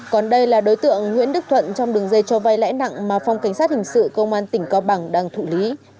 còn đây là đối tượng nguyễn đức thuận trong đường dây cho vay lãi nặng mà phòng cảnh sát hình sự công an tỉnh cao bằng đang thụ lý